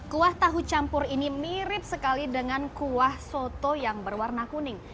kuah tahu campur ini mirip sekali dengan kuah soto yang berwarna kuning